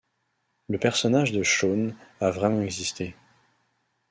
Le personnage de Sean a vraiment existé.